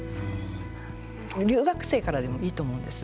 留学生からでもいいと思うんです。